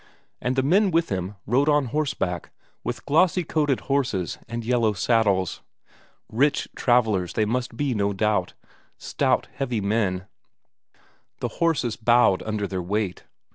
And the men with him rode on horseback with glossy coated horses and yellow saddles; rich travellers they must be no doubt; stout, heavy men; the horses bowed under their weight.